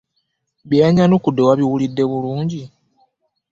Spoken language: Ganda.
Bye yannyanukudde wabiwulidde bulungi?